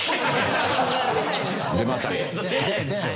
出ません。